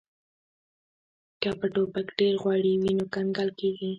که په ټوپک ډیر غوړي وي نو کنګل کیږي